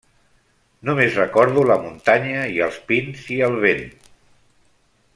Només recordo la muntanya i els pins i el vent.